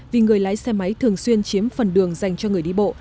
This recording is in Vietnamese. vì người lái xe máy thường xuyên chiếm phần đường dành cho người đi bộ